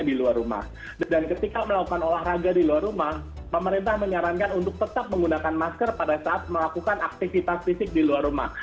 dan ketika melakukan olahraga di luar rumah pemerintah menyarankan untuk tetap menggunakan masker pada saat melakukan aktivitas fisik di luar rumah